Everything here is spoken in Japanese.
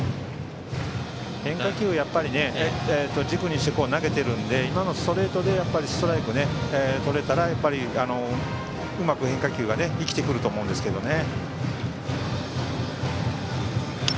変化球を軸にして投げているので今のストレートでストライクとれたらうまく変化球が生きてくると思うんですけどね。